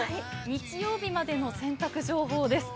日曜日までの選択情報です。